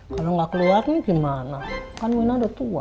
kalau nggak keluar gimana kan wina udah tua